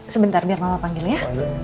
sebentar biar mama panggil ya